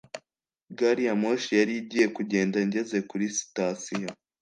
gari ya moshi yari igiye kugenda ngeze kuri sitasiyo